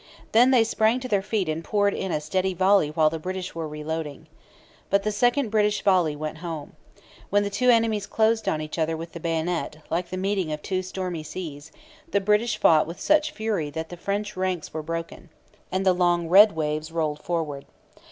Then they sprang to their feet and poured in a steady volley while the British were reloading. But the second British volley went home. When the two enemies closed on each other with the bayonet, like the meeting of two stormy seas, the British fought with such fury that the French ranks were broken. Soon the long white waves rolled back and the long red waves rolled forward.